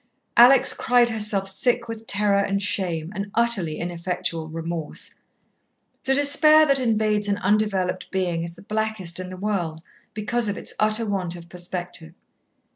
Alex cried herself sick with terror and shame and utterly ineffectual remorse. The despair that invades an undeveloped being is the blackest in the world, because of its utter want of perspective.